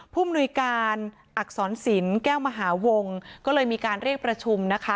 มนุยการอักษรศิลป์แก้วมหาวงก็เลยมีการเรียกประชุมนะคะ